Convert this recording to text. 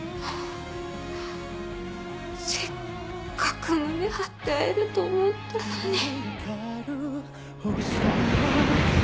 せっかく胸張って会えると思ったのに。